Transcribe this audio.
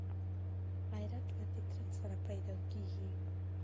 غیرت له فطرت سره پیدا کېږي